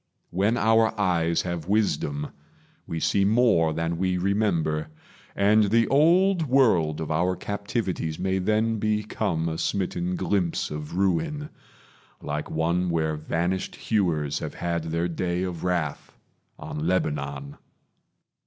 When our eyes Have wisdom, we see more than we remember; And the old world of our captivities May then become a smitten glimpse of ruin, Like one where vanished hewers have had their day Of wrath on Lebanon.